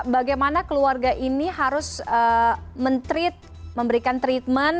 bagaimana keluarga ini harus memberikan treatment